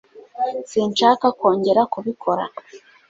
Sinshaka kongera kubikora